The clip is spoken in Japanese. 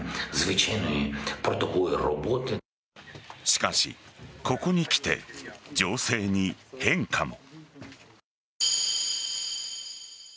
しかし、ここにきて情勢に変化も。